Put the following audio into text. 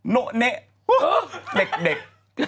โนะเนะเด็ก